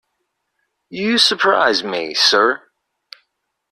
You surprise me, sir.